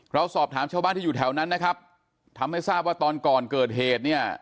เราสอบถามชาวบ้านที่อยู่แถวนั้นนะครับทำให้ทราบว่าตอนก่อนเกิดเหตุเนี่ย